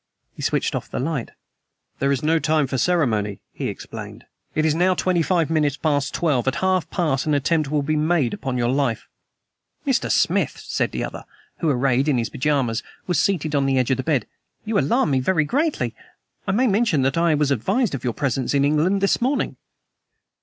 He switched off the light. "There is no time for ceremony," he explained. "It is now twenty five minutes past twelve. At half past an attempt will be made upon your life!" "Mr. Smith," said the other, who, arrayed in his pajamas, was seated on the edge of the bed, "you alarm me very greatly. I may mention that I was advised of your presence in England this morning."